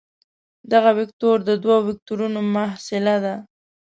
دغه وکتور د دوو وکتورونو محصله ده.